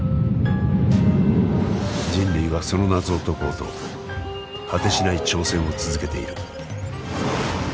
人類はその謎を解こうと果てしない挑戦を続けている。